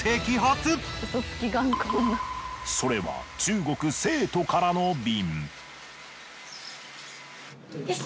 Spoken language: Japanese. それは中国成都からの便。